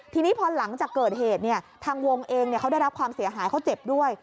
ทีนี้พอหลังจากเกิดเหตุทางวงเองเขาได้รับความเสียหายเขาเจ็บด้วย